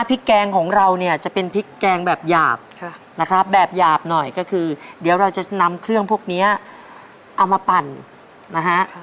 แกงของเราเนี่ยจะเป็นพริกแกงแบบหยาบนะครับแบบหยาบหน่อยก็คือเดี๋ยวเราจะนำเครื่องพวกนี้เอามาปั่นนะฮะ